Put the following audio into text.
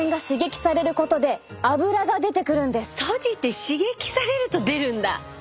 閉じて刺激されると出るんだ。